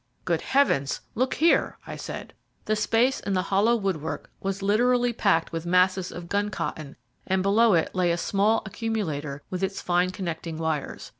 "Good heavens! look here," I said. The space in the hollow woodwork was literally packed with masses of gun cotton, and below it lay a small accumulator with its fine connecting wires.